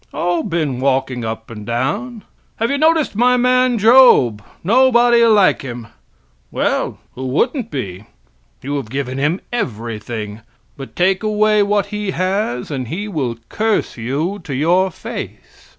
"Oh, been walking up and down." "Have you noticed my man Job; nobody like him!" "Well, who wouldn't be; you have given him everything; but take away what he has, and he will curse you to your face."